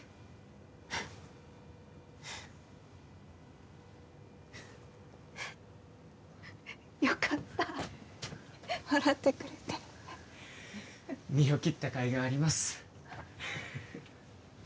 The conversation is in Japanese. フッフフッよかった笑ってくれて身を切った甲斐があります